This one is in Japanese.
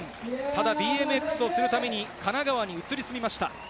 ただＢＭＸをするために神奈川に移り住みました。